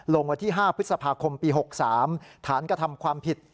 วันที่๕พฤษภาคมปี๖๓ฐานกระทำความผิด